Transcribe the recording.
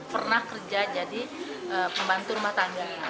pernah kerja jadi pembantu rumah tangga